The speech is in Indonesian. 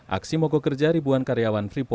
aksi mokok kerja ribuan karyawan